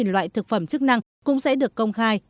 hai mươi tám loại thực phẩm chức năng cũng sẽ được công khai